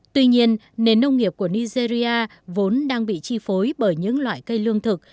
tuy nhiên nền nông nghiệp của nigeria vốn đang bị chi phối bởi những loại cây lương thực